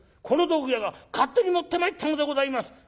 『この道具屋が勝手に持ってまいったのでございます』。